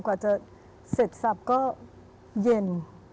กว่าจะเสร็จสับก็เย็น